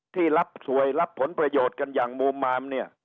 ที่รับสวยรับผลประโยชน์กันอย่างมูมามเนี่ย